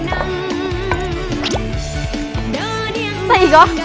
ทำไมต้องโน๊กตลอด